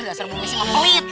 enggak serba bu messi pelit